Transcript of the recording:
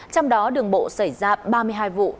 trong đó đường bộ xảy ra ba mươi hai vụ